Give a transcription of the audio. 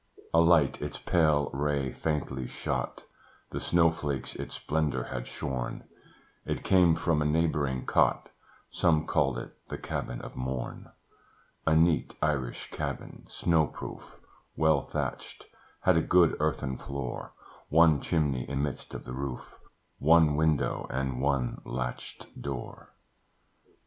A light its pale ray faintly shot (The snow flakes its splendour had shorn), It came from a neighbouring cot, Some called it the Cabin of Mourne: A neat Irish Cabin, snow proof, Well thatched, had a good earthen floor, One chimney in midst of the roof, One window, and one latched door.